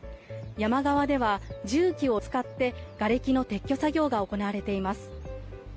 山側では重機を使ってがれきの撤去作業が行われています。